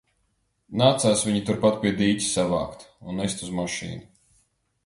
Nācās viņu turpat pie dīķa savākt un nest uz mašīnu.